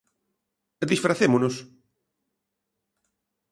Disfracémonos.